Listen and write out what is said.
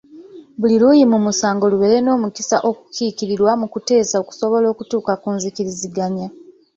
Buli luuyi mu musango lubeere n’omukisa okukiikirirwa mu kuteesa okusobola okutuuka ku nzikiriziganya.